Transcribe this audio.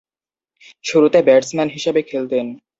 শুরুতে ব্যাটসম্যান হিসেবে খেলতেন।